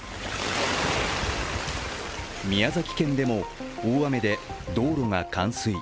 宮崎県でも大雨で道路が冠水。